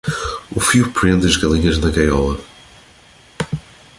O fio prende as galinhas na gaiola.